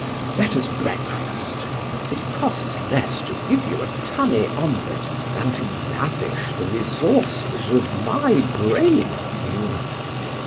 Let us breakfast! It costs less to give you a tunny omelette than to lavish the resources of my brain on you."